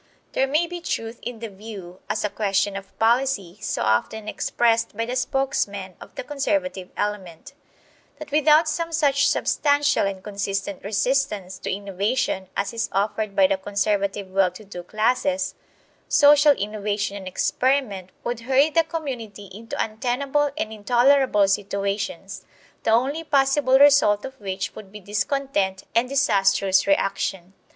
There may be truth in the view (as a question of policy) so often expressed by the spokesmen of the conservative element, that without some such substantial and consistent resistance to innovation as is offered by the conservative well to do classes, social innovation and experiment would hurry the community into untenable and intolerable situations; the only possible result of which would be discontent and disastrous reaction.